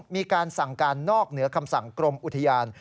มีการสั่งการนอกเหนือคำสั่งกรมอุทยาน